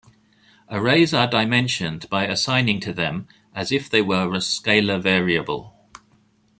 Arrays are dimensioned by assigning to them as if they were a scalar variable.